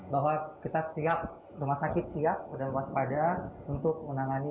bahwa kita siap rumah sakit siap dan waspada untuk menangani